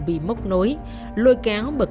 bị mốc nối lôi kéo bởi